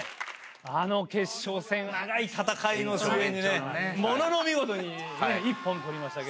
あの決勝戦長い戦いの末にね物の見事に一本取りましたけど。